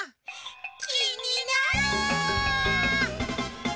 きになる！